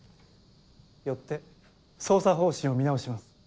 よって捜査方針を見直します。